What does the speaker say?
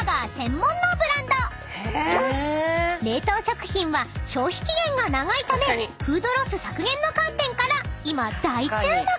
［冷凍食品は消費期限が長いためフードロス削減の観点から今大注目！］